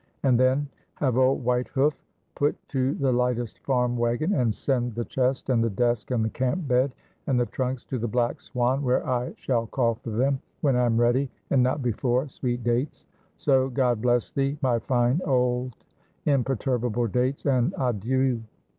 And then have old White Hoof put to the lightest farm wagon, and send the chest, and the desk, and the camp bed, and the trunks to the 'Black Swan,' where I shall call for them, when I am ready, and not before, sweet Dates. So God bless thee, my fine, old, imperturbable Dates, and adieu!